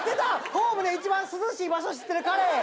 ホームで一番涼しい場所知ってる彼。